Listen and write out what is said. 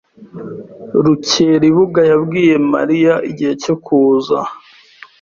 Rukeribuga yabwiye Mariya igihe cyo kuza?